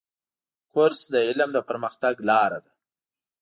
کورس د علم د پرمختګ لاره ده.